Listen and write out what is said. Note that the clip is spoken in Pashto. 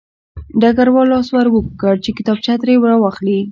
ډګروال لاس ور اوږد کړ چې کتابچه ترې راواخلي